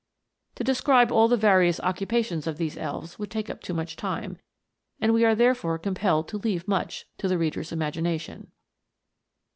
To describe all the various occupations of these elves would take up too much time, and we are therefore compelled to leave much to the reader's imagination.